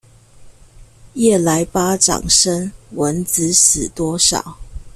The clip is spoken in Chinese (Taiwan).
夜來巴掌聲，蚊子死多少